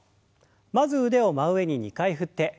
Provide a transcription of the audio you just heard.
まず腕を真上に２回振って。